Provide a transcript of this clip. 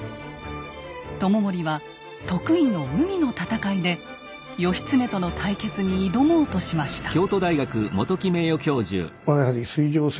知盛は得意の海の戦いで義経との対決に挑もうとしました。